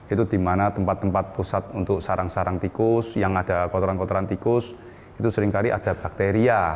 itu di mana tempat tempat pusat untuk sarang sarang tikus yang ada kotoran kotoran tikus itu seringkali ada bakteria